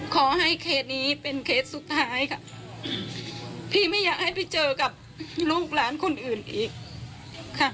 เคสนี้เป็นเคสสุดท้ายค่ะพี่ไม่อยากให้ไปเจอกับลูกหลานคนอื่นอีกค่ะ